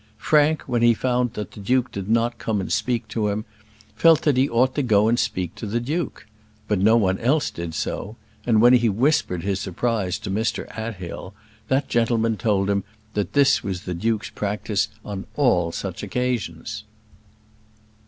Frank, when he found that the duke did not come and speak to him, felt that he ought to go and speak to the duke; but no one else did so, and when he whispered his surprise to Mr Athill, that gentleman told him that this was the duke's practice on all such occasions.